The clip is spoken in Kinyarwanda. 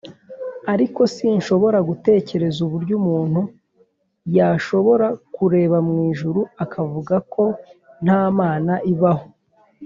ariko sinshobora gutekereza uburyo umuntu yashobora kureba mu ijuru akavuga ko nta mana ibaho.